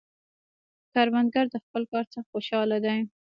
کروندګر د خپل کار څخه خوشحال دی